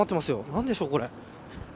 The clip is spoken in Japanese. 何でしょう、これ。